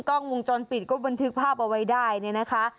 กล้องวงจรปิดก็บันทึกภาพเอาไว้ได้เนี่ยนะคะ